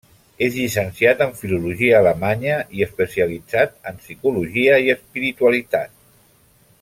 És llicenciat en filologia alemanya i especialitzat en psicologia i espiritualitat.